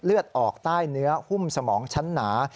เลือดออกใต้เนื้อหุ้มสมองชั้นหนา